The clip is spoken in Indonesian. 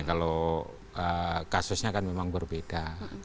kalau kasusnya kan memang berbeda